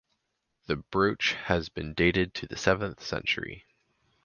The brooch has been dated to the seventh century.